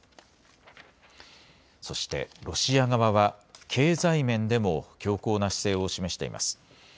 そしてロシア側は経済面でも強硬な姿勢を示しています。